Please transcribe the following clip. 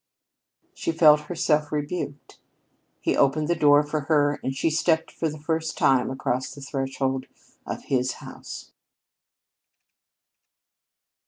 She felt herself rebuked. He opened the door for her and she stepped for the first time across the threshold of his house.